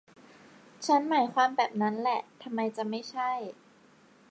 ฉันหมายความแบบนั้นแหละ ทำไมจะไม่ใช่